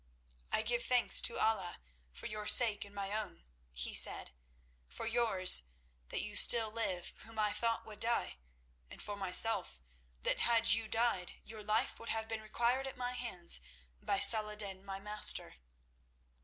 "I give thanks to Allah for your sake and my own," he said. "For yours that you still live whom I thought would die, and for myself that had you died your life would have been required at my hands by Salah ed din, my master."